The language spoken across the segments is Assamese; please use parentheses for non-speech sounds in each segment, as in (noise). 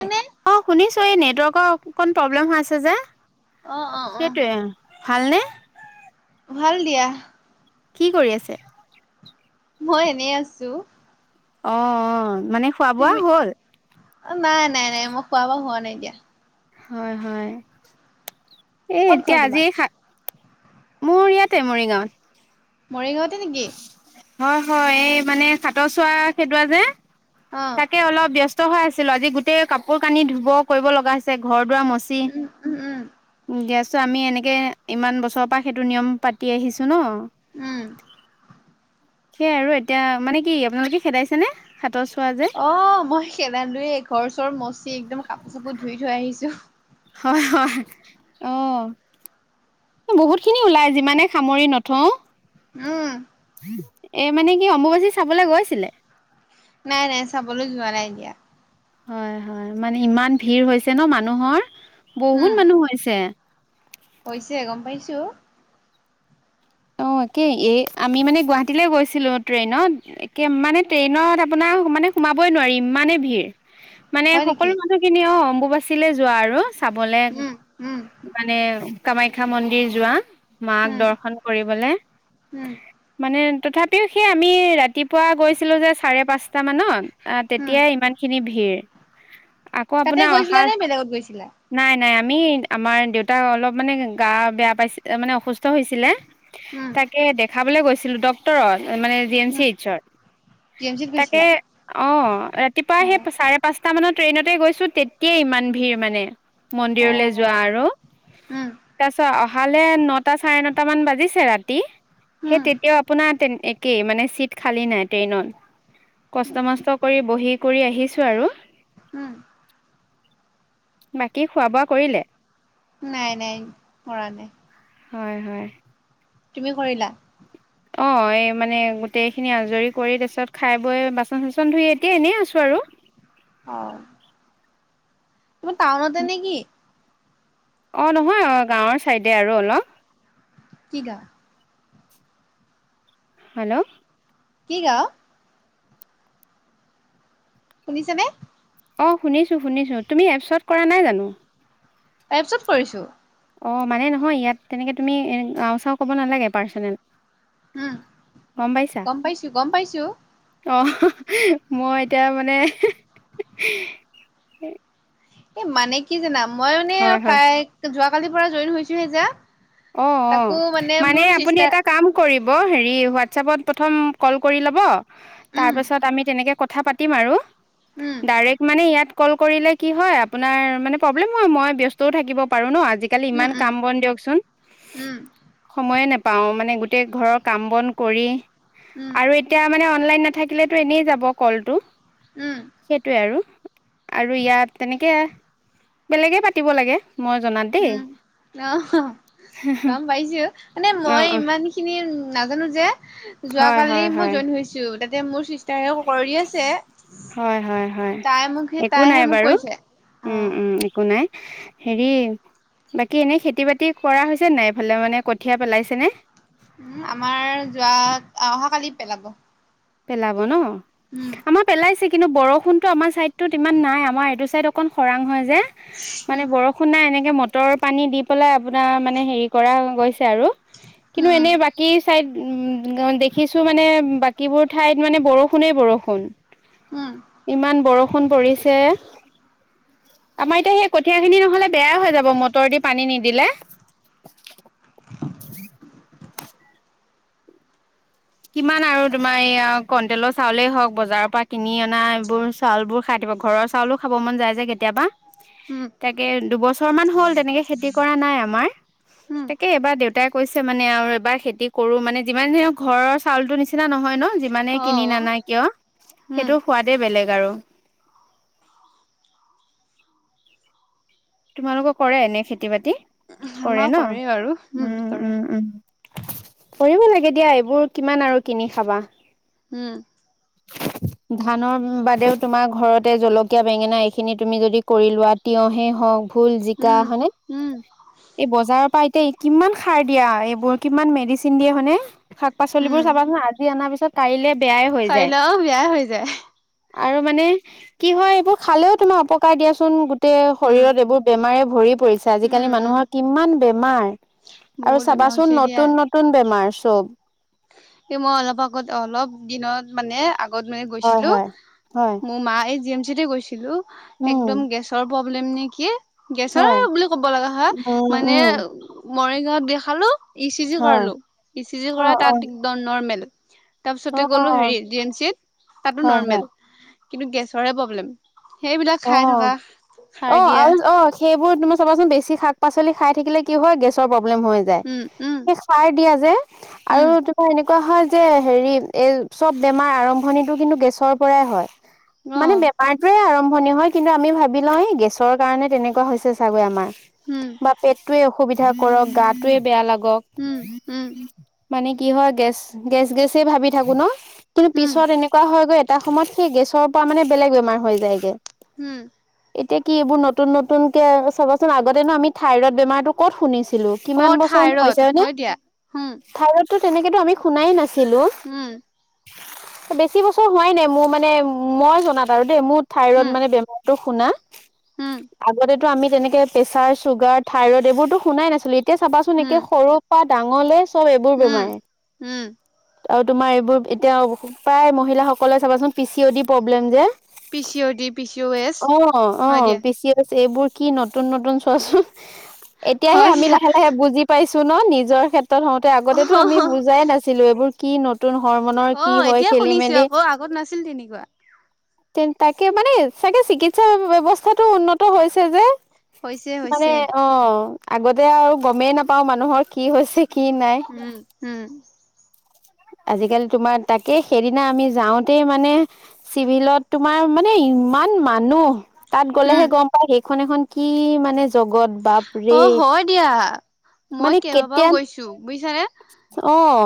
অ অঁ শুনিছোঁ এই নেটৱৰ্কৰ অকণ প্ৰব্লেম হৈ আছে যে। অ অ সেইটোয়ে ভালনে। ভাল দিয়া। কি কৰি আছে। মই এনেই আছো অ অ মানে খোৱা বোৱা তুমি হ'ল নাই নাই মই খোৱা ব হোৱা নাই দিয়া হয় হয় এই ক'ত ঘৰ এতিয়া আজি। তোমাৰ মোৰ ইয়াতে মৰিগাঁৱত। মৰিগাঁৱতে নেকি? হয় হয় এই মানে সাতৰ চোৱা সেইটোৱা যে অ তাকে অলপ ব্যস্ত নষ্ট হৈ আছিলো আজি গোটেই কাপোৰ কানি ধুব কৰিব লগা হৈছে। ঘৰ দুৱাৰ মচি উম উম উম গেছ- চ' আমি এনেকৈ ইমান বছৰৰ পৰা সেইটো নিয়ম পাতি আহিছোঁ ন উম সেইয়াই আৰু এতিয়া মানে কি আপোনালোকে খেদাইছে নে হাতৰ চো অ মই সেৰালোৱে ঘৰ চৰ মচি একদম কাপোৰ চাপোৰ ধুই থৈ আহিছো। হয় হয় আহ বহুত খিনি ওলাই যিমানে সামৰি নথওঁ। উম এ মানে কি অম্বুবাচী চাবলে গৈছিলে। নাই নাই চাবলৈ যোৱা নাই এতিয়া হয় হয় মানে ইমান ভিৰ হৈছে ন মানুহৰ উম বহুত মানুহ হৈছে। হৈছে গম পাইছো (unintelligible) তাকে এই আমি মানে গুৱাহাটীলৈ গৈছিলো ট্ৰেইনত একে মানে ট্ৰেইনত আপোনাৰ মানে সোমাবই নোৱাৰি ইমানেই ভিৰ মানে হয় সকলো নেকি মানুহখিনি অ অম্বুবাচীলে যোৱা আৰু চাবলে উম উম মানে কামাখ্যা মন্দিৰ যোৱা মাক উম দৰ্শন কৰিবলে উম মানে মানে তথাপিও সেই আমি ৰাতিপুৱা গৈছিলোঁ যে চাৰে পাঁচটামানত অ উম তেতিয়াই ইমান খিনি ভিৰ আকৌ তাতে আপোনাৰ গৈছিলা অহা নে বেলেগত গৈছিলা নাই নাই আমি আমাৰ দেউতা অলপ মানে গা বেয়া পাইছিল মানে অসুস্থ হৈছিলে। উম তাকে দেখাবলৈ গৈছিলো ডক্তৰ মানে জি এম চি উম এইচত জি এম চিত তাকে গৈছিলা অ ৰাতিপুৱা অ সেই চাৰে পাঁচটা মানত। ট্ৰেইনতে গৈছো তেতিয়াই ইমান ভিৰ মানে। অ মন্দিৰলৈ যোৱা আৰু উম তাছত অহালে নটা চাৰে নটা মান বাজিছে। ৰাতি সেই উম তেতিয়াও আপোনাৰ একেই মানে চিট খালি নাই ট্ৰেইনৰ। কষ্ট উম মষ্ট কৰি বহি কৰি আহিছো আৰু উম বাকী খোৱা বোৱা কৰিলে। নাই নাই কৰা নাই হয় হয়। তুমি কৰিলা। অ এই মানে গোটেই খিনি আজৰি কৰি তাৰিছত খাই বৈ বাচন চাচন ধুই এতিয়া এনেই আছো আৰু অ তোমাৰ টাউনতে নেকি? অ নহয় অ গাঁৱৰ ছাইডে আৰু অলপ কি গাঁও হেল্ল' কি গাঁও শুনিছেনে অ শুনিছো শুনিছো তুমি এপছত কৰা নাই জানো এপছত কৰিছো অ মানে নহয় ইয়াত তেনেকৈ তুমি গাঁও চাও ক'ব নালাগে পাৰ্চনেল উম গম পাইছো গম পাইছো অ মই এতিয়া মানে এ মানে কি জানা মই মানে হয় হয় যোৱা কালিৰ পৰা জইন হৈছোহে যে অ অ তাকো মানে মোৰ আপুনি চিষ্টাৰ এটা কাম কৰিব হেৰি হোৱাটছপত প্ৰথম কল কৰি ল'ব উম তাৰপাছত আমি তেনেকে কথা পাতিম আৰু উম ডাইৰেক্ট মানে ইয়াত কল কৰিলে কি হয় আপোনাৰ মানে প্ৰব্লেম হয় মই ব্যস্তও থাকিব পাৰো ন আজিকালি উম ইমান উম কাম বন দিয়কচোন উম সময়ে নাপাও মানে গোটেই ঘৰৰ কাম বন কৰি আৰু উম এতিয়া মানে অনলাইন নাথাকিলেতো এনেই যাব কলটো সেইটোৱে আৰু আৰু ইয়াত তেনেকে বেলেগে পাতিব লাগে মই জনাত দেই উম অ গম পাইছো মানে অ মই অ ইমান খিনি নাজানো যে যোৱা হয় কালি হয় মই হয় জইন হৈছো ত যে মোৰ চিষ্টাৰে কৰি আছে হয় হয় হয় তাই মোক স একো নাই তাইহে মোক বাৰু কৈছে অ উম উম একো নাই হেৰি বাকী এনেই খেতি বাতি কৰা হৈছে নাই এইফালে মানে কঠিয়া পেলাইছেনে উ আমাৰ যোৱা অহা কালি পেলাব পেলাব ন উম আমাৰ পেলাইছে কিন্তু বৰ বৰষুণতো আমাৰ চাইদতত ইমান নাই আমাৰ এইটো চাইদ অকণ খৰাং হয় যে মানে উম বৰষুণ নাই এনেকে বতৰ পানী দি পেলাই আপোনাৰ মানে হেৰি কৰা গৈছে আৰু কিন্তু উম এনে বাকী চাইড দেখিছো মানে বাকীবোৰ ঠাইত মানে বৰষুণে বৰষুণ উম উম ইমান বৰষুণ পৰিছে আমাৰ এতিয়া সেই কঠিয়া খিনি নহলে বেয়াাই হৈ যাব মটৰ দি পানী নিদিলে (unintelligible) উ কিমান আৰু তোমাৰ এইয়া কন্টেলৰ চাউলেই হওঁক বজাৰৰ পৰা কিনি অনা এইবোৰ চাউল বোৰ খাই থাকো ঘৰৰ চাউলো খাব মন যায় যে কেতিয়াবা উম তাকে দুবছৰ মান হ'ল তেনেকে খেতি কৰা নাই আমাৰ উম তাকে এবাৰ দেউতাই কৈছে মানে আৰু এবাৰ খেতি কৰো মানে যিমান ধক ঘৰৰ টো নিচিনা নহয় ন যিমানে অ কিনি নানা কিয় উম সেইটো সোৱাদে বেলেগ গ আৰু তোমালোকক কৰে এনে খেতি বাতি কৰে আমাৰ ন বাৰু উম কৰে উম উম কৰিব লাগে দিয়া এইবোৰ কিমান আৰু কিনি খাবা হম ধানৰ বাদেও তোমাৰ ঘৰতে জলকীয়া বেঙেনা এইখিনি তুমি যদি কৰি লোৱা তিয়হেই হওঁক ভুল জিকা উম হয়নে উম এই বজাৰৰ পৰা এতিয়া কিমান সাৰ দিয়া এইবোৰ কিমান মেডিচিন দিয়ে হয়নে শাক পাচলিবোৰ চাবাচোন আজি অনাৰ পিছত কাইলে বেয়াই হৈ যায় খাবলে অ বেয়া হৈ যায় আৰু মানে কি হয় এইবোৰ খালেও তোমাৰ অপকাৰ দিয়াচোন গোটেই উম শৰীৰত এইবোৰ আমাৰে ভৰি পৰিছে আজিকালি উম উম মানুহৰ কিমান বেমাৰ আৰু বহুত বেমাৰ চাবাচোন হৈছে দিয়া নতুন নতুন বেমাৰ চব এই মই অলপ আগত অলপ দিনত মানে আগ। আত মানে হয় গৈছিলো হয় হয় মোৰ মা এই জি এম চি গৈছিলো উম একদম গেচৰ, প্ৰব্লেম নে কি গেছৰ হয় বুলি ক'ব লগা হয় উম মানে। উম মৰিগাঁৱত দেখালো ই চি জি হয় কৰালো ই চি জি অ কৰা অ তাত একদ নৰ্মেল। অ তাৰপিছতে গ'লো হেৰি ডি এন চি তাতো হয় হয় নৰ্মেল কিন্তু গেছৰে প্ৰব্লেম (inaudible) সেইবিলাক অ খাই থকা অ সাৰ দিয়া। আৰু অ সেইবোৰ তুম চাবাচোন ন বেছি শাক পাচলি খাই থাকিলে কি হয় গেছৰ প্ৰ প্ৰব্লেম হৈ যায় উম উম এ সাৰ দিয়া যে আৰু উম তোমাৰ। এনেকুৱা হয় যে হেৰি এই চব বেমাৰ আৰম্ভণিটো কিন্তু গেছৰ পৰাই হয় (inaudible) অ মানে বেমাৰটো আৰম্ভ। হয় কিন্তু আমি ভাবি লওঁ গেছৰ কাৰণে তেনেকুৱা হৈছে চাগৈ আমাৰ উম বা পেটতোৰে। সুবিধা কৰক গাটোৱে বেয়া লাগক। উম উম মানে কি হয় গেছ গেছ গেছেই ভাবি থাকো ন। কিন্তু উম পিছত এনেকুৱা হয় গৈ এটা সময়ত সেই গেছৰ পৰা মানে বেলেগ বেমাৰ হৈ যায়গে। উম (inaudible) এতিয়া কি এইবোৰ নতুন নতুন কে চবাচোন আগতেনো আমি থাইৰইড বেমাৰতো। ক'ত শুনিছিলো অ কিমান বছৰনো থাইৰড হৈছোনে। হয় দিয়া উম টো তেনেকেটো আমি শুনাই নাছিলো। উম, বেছি বছৰ হোৱাই নাই মোৰ মানে মই জনাত আৰু দেই মোৰ। থাইৰইড উম, মানে বেমাৰটো শুনা। উম। টো আমি তেনেকে প্ৰেছাৰ চুগাৰ থাইৰইড এইবোৰতো শুনাই নাছিলো এতিয়া চাবাচোন একে উম, সৰু পাত (inaudible) ডাঙলে চব এইবোৰ উম, বেমাৰে। উম, আৰু তোমাৰ এইবোৰ এতিয়া প্ৰায় মহিলাসকলে চাবাচোন P C O D problem যে। P C O D, P C S অ অ হয় দিয়া, পিচি ' এইবোৰ কি নতুন নতুন চোৱাচোন এতিয়াহে হয় আমি দিয়া। লাহে লাহে বুজি পাইছো। চুন নিজৰ ক্ষেত্ৰত হওঁতে অ', আগতেটো আমি বুজাই নাছিলো এইবোৰ কি ন। নতুন হমনৰ কি অ', হয় এতিয়া খেলি শুনিছো মেলি' আকৌ আগত নাছিল তেনেকুৱা। তে তাকে মানে চাগে চিকিৎসা ব্যবস্থাটো উন্নত হৈছে যে। হৈছে, মানে হৈছে, অ আগতে আৰু গমেই নাপাও মানুহৰ কি হৈছে। কি নাই উম উম। আজিকালি তোমাৰ তাকে সেইদিনা আমি যাওঁতে মানে চিভিলত তোমাৰ মানে। ইমান মানুহ তাত উম, গ'লেহে গম পায় সেইখন এখন কি মানে জগত বাপ অ', ৰে' হয় দিয়া। মই কেইবা বাউ গৈছো বুজিছানে অ'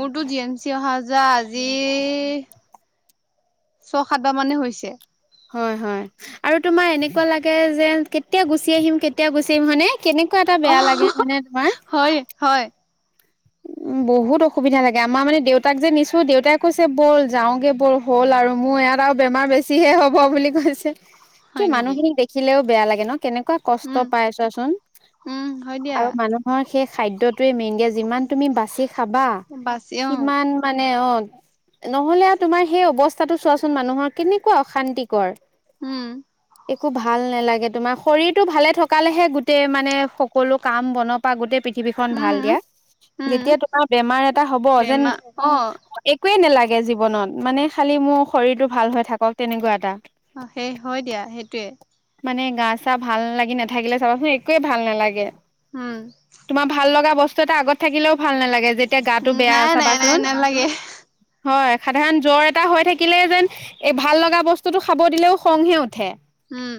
মোৰতো জি এম চি অহা আ। পূজা আজি ছয় সাতবাৰ মানে হৈছে। হয় হয় আৰু তোমাৰ এনেকুৱা লাগে যে কেতিয়া গুচি আহিম কেতিয়া গুচি আহিম হয়ানে। কেনেকুৱা এটা অ', বেয়া লাগে মানে তোমাৰ? উ। বহুত অসুবিধা লাগে আমাৰ মানে দেউতাক যে নিছো দেউতাই কৈছে ব'ল যাওগে বল হ'ল আৰু মোৰ। ইয়াত আৰু বেমাৰ বেছি হে হ'ব বুলি কৈছে কি হয় নেকি? মানুহখিনিক দেখিলেও বেয়া লাগে ন কেনেকুৱা, এনেকুৱা কষ্ট উম, পাই ছোৱাচোন উম, হয় দিয়া আৰু মানুহৰ সেই খাদ্যটোৱে মেইনকে যিমান। তুমী বাচি খাবা বাছি অ', মিমান মানে অ। নহলে আৰু তোমাৰ সেই অৱস্থাটো চোৱাচোন মানুহৰ কেনেকুৱা অশান্তিকৰ। উম। একো ভাল নালাগে তোমাৰ শৰীৰটো ভালে থকালেহে গোটেই মানে সকলো কাম বনৰ পৰা গোটেই। পৃথিৱীখন ভাল উম, দিয়া। উম। যেতিয়া তোমাৰ বেমাৰ এটা হ'ব যেন বেমাৰ অ একোৱে নালাগে জীৱনত মানে। খালি মোৰ শৰীৰটো ভাল হৈ থাকক তেনেকুৱা এটা। অ সেই হয় দিয়া সেইটোৱে। মানে গা চা ভাল লাগি নাথাকিলে চাবাচোন একোৱে ভাল নালাগে। উম তোমাৰ ভাল লগা বস্তু এটা আগত থাকিলেও ভাল নালাগে। যেতি তিয়া গাটো বেয়া নাই নাই নাই চাবাচোন নালাগে হয়। সাধাৰণ জ্বৰ এটা হৈ থাকিলে যেন এই ভাল লগা বস্তুটো খাব দিলেও খংহে উঠে। উম।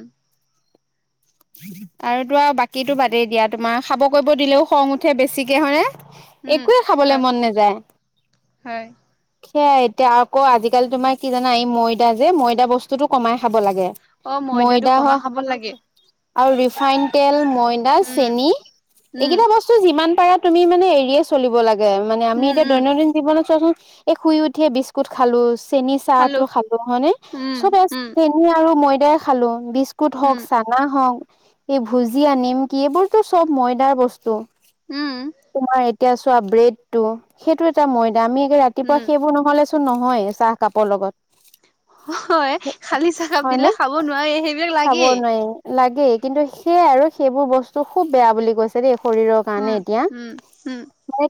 আৰুতো আৰু বাকীতো বাদেই দিয়া। তোমাৰ খাব কৰিব দিলেও খং উঠে, বেছিকে হয়নে? উম একোৱে খাবলে হয় মন নাযায়। হয় সেয়াই এতিয়া আকৌ আজিকালি তোমাৰ কি জানা এই ময়দা যে ময়দা বস্তুটো কমাই খাব লাগে। অ, ময়দাটো ময়দা হ কমাই খাব লাগে। আৰু ৰিফাইন তেল, ময়দা, উম চেনি উম এইকেইটা বস্তু যিমান পাৰা তুমি মানে মানে এৰিয়ে চলিব লাগে। মানে আমি উম এতিয়া উম দৈনন্দিন জীৱনত চোৱাচোন এই শুই উঠিয়ে বিস্কুট খালো চেনি চাহ টো খালো, হয়নে? উম চবে উম চেনি আৰু ময়দাই খালো বিচ বিস্কুট উম হওক, চানা হওক, এই ভূজিয়া, নিমকী এইবোৰটো চব ময়দাৰ বস্তু। উম। তোমাৰ এতিয়া চোৱা ব্ৰেডটো, সেইটো এটা ময়দা আমি উম ৰাতিপুৱা সেইবোৰ নহলে নহয়েই চাহ কাপৰ লগত। হয় খালি চাহকাপ হয়নে দিলে খাব নোৱাৰি। সেইবিলাক খাব লাগেই। নোৱাৰি লাগেই। কিন্তু সেইয়াই আৰু সেইবোৰ বস্তু খুব বেয়া বুলি কৈছে দেই শৰীৰৰ উম কাৰণে এতিয়া। উম উম।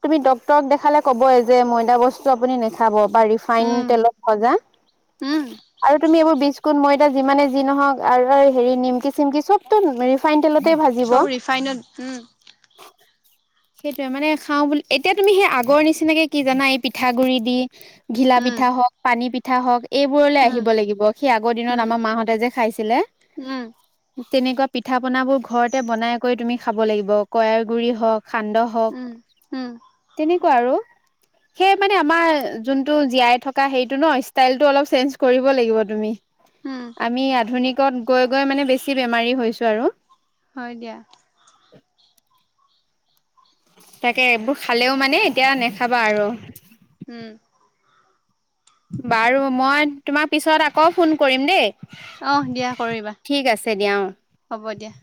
আমি ডক্তৰক দেখালে ক'বই যে ময়দা বস্তু আপুনি নেখাব। বা ৰিফাইন উম তেলত ভজা উম আৰু তুমি এইবোৰ বিস্কু কুট, ময়দা যিমানেই যি নহওক আৰু হেৰি নিমকি-চিমকি চবতো ৰিফাইন তেলতেই ভাজিব। চব ৰিফাইনত উম সেইটোৱেই মানে খাওঁ বুলি, এতিয়া তুমি সেই আগৰ নিচিনাকে কি জানা এই পিঠাগুৰি দি ঘিলা উম পিঠা হওক পানী পিঠা হওক এইবোৰলে আহিব লাগিব। সেই আগৰ দিনত উম আমাৰ মাহঁতে যে খাইছিলে। উম উম তেনেকুৱা পিঠাপনাবোৰ ঘৰতে বনাই কৰি তুমি খাব লাগিব। কয়াৰ গুড়ি হওক সান্দহ হওক। উম উম তেনেকুৱা আৰু। সেই মানে আমাৰ যোনটো জীয়াই থকা হেৰীতো ন, ষ্টাইলটো অলপ চেঞ্জ কৰিব লাগিব তুমি। উম আমি আধুনিকত গৈ-গৈ মানে বেছি বেমাৰী হৈছো আৰু। হয় দিয়া। তাকে এইবোৰ খালেও মানে এতিয়া নেখাবা আৰু। উম। বাৰু মই তোমাক পিছত আকৌ ফোন কৰিম দেই। অ দিয়া কৰিবা। ঠিক আছে দিয়া অ'। হ'ব দিয়া।